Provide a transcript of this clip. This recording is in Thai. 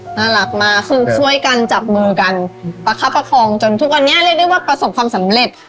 น่ารักมากคือช่วยกันจับมือกันประคับประคองจนทุกวันนี้เรียกได้ว่าประสบความสำเร็จ